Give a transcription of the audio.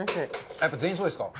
やっぱ全員そうですか。